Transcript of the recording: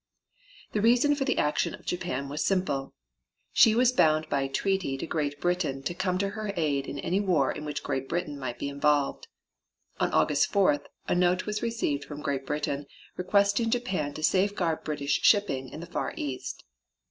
The reason for the action of Japan was simple. She was bound by treaty to Great Britain to come to her aid in any war in which Great Britain might be involved. On August 4th a note was received from Great Britain requesting Japan to safeguard British shipping in the Far East.